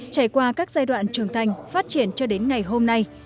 trải qua các giai đoạn trưởng thành phát triển cho đến ngày hôm nay